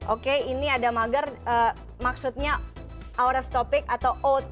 oke ini ada mager maksudnya our of topic atau oat